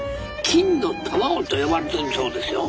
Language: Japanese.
金の卵と呼ばれてるそうですよ」。